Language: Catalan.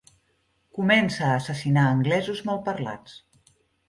Comença a assassinar anglesos malparlats.